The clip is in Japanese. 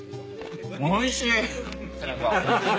おいしい！